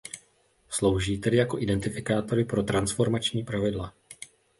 Slouží tedy jako identifikátory pro transformační pravidla.